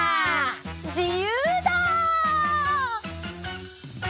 じゆうだ！